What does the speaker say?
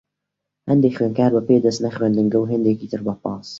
هەندێک خوێندکار بە پێ دەچنە خوێندنگە، و هەندێکی تر بە پاس.